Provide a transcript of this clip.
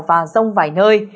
và rông vài nơi